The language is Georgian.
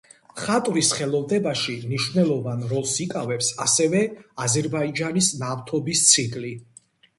მხატვრის ხელოვნებაში მნიშვნელოვან როლს იკავებს ასევე აზერბაიჯანის ნავთობის ციკლი.